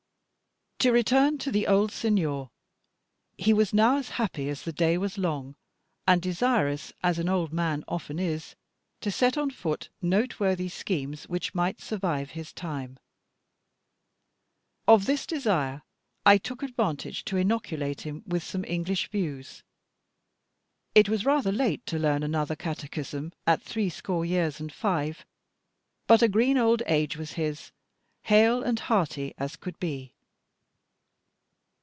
To return to the old Signor. He was now as happy as the day was long, and desirous, as an old man often is, to set on foot noteworthy schemes, which might survive his time. Of this desire I took advantage to inoculate him with some English views. It was rather late to learn another catechism, at threescore years and five; but a green old age was his, hale and hearty as could be.